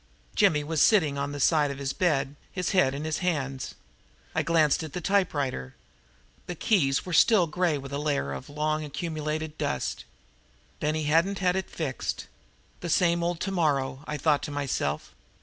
Jimmy was sitting on the side of his bed, his head in his hands. I glanced at the typewriter. The keys were still grey with a layer of long accumulated dust. Then he hadn't had it fixed. The same old tomorrow, I thought to myself.